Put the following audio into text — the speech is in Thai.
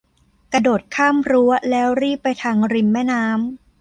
กระโดดข้ามรั้วแล้วรีบไปทางริมแม่น้ำ